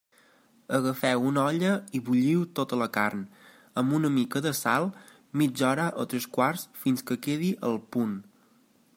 Agafeu una olla i bulliu tota la carn, amb una mica de sal, mitja hora o tres quarts fins que quedi al punt.